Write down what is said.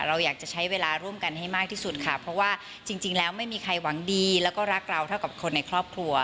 เราอยากจะใช้เวลาร่วมกันให้มากที่สุดค่ะเพราะว่าจริงแล้วไม่มีใครหวังดีแล้วก็รักเราเท่ากับคนในครอบครัว